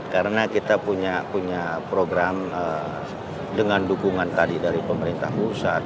karena kita punya program dengan dukungan tadi dari pemerintah pusat